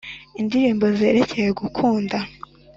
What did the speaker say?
indirimbo zerekeye gukunda